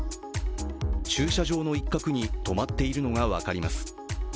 駐車場の一角に止まっているのが分かります。